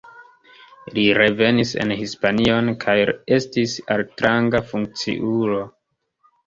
Li revenis en Hispanion kaj estis altranga funkciulo.